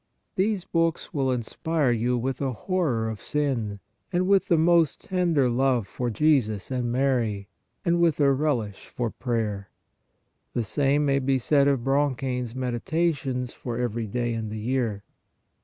These books will inspire you with a horror of sin and with the most tender love for Jesus and Mary and with a relish for prayer. The same may be said of Bronchain s Meditations for every day in the year.